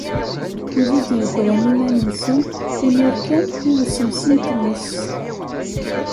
Wid i d-yegren iman-nsen imir kan i usensi n tmes.